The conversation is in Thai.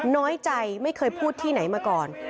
น้อยใจไม่เคยพูดที่ไหนมาก่อน